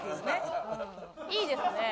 いいですね。